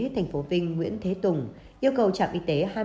thành phố vinh nguyễn thế tùng yêu cầu trạm y tế